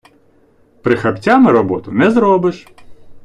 Прихапцями роботу не зробиш.